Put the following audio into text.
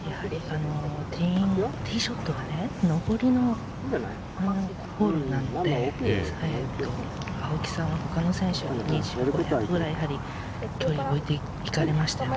ティーショットが上りのホールなので、青木さん、他の選手より２５ヤードぐらい距離を置いていかれましたね。